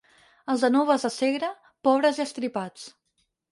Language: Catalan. Els de Noves de Segre, pobres i estripats.